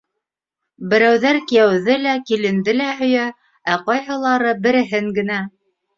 Берәүҙәр кейәүҙе лә, киленде лә һөйә, ә ҡайһылары береһен генә.